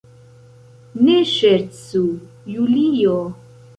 Ne ŝercu, Julio.